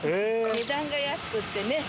値段が安くってね